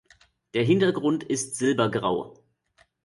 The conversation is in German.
Der Hintergrund ist silbergrau.